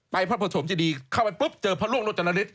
ไปพระพระสมทร์ที่ดีเข้าไปปุ๊บเจอพระร่วงโรจนาลิสต์